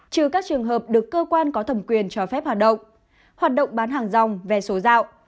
trừ các trường hợp được cơ quan có thẩm quyền cho phép hoạt động hoạt động bán hàng rong vé số dạo